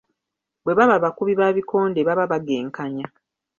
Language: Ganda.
Bwe baba bakubi ba bikonde baba bagenkanya